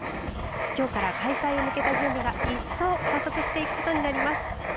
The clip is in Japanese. きょうから開催へ向けた準備が一層加速していくことになります。